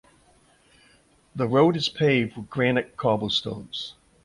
The road is paved with granite cobblestones.